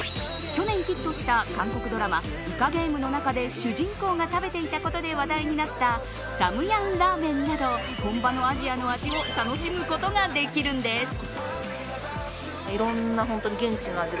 去年ヒットした韓国ドラマイカゲームの中で、主人公が食べていたことで話題になった三養ラーメンなど本場のアジアの味を楽しむことができるんです。